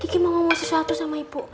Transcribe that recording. kiki mau ngomong sesuatu sama ibu